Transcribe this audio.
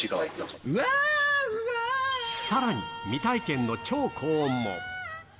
さらに、未体験の超高音も。